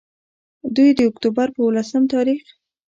دوي د اکتوبر پۀ ولسم تاريخ